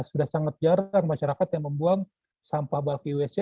sudah sangat jarang masyarakat yang membuang sampah balik iwsc